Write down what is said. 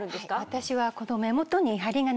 私は。